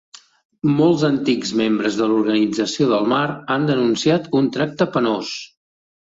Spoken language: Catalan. Molts antics membres de l'Organització del Mar han denunciat un tracte penós.